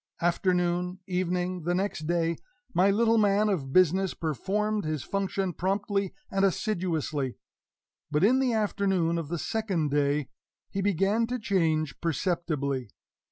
Afternoon evening the next day my little man of business performed his function promptly and assiduously. But in the afternoon of the second day he began to change perceptibly.